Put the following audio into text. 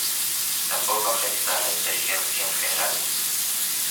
Tampoco afecta a la inteligencia en general.